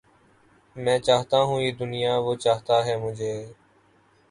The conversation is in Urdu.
میں چاہتا ہوں یہ دنیا وہ چاہتا ہے مجھے